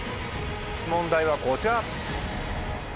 問題はこちら。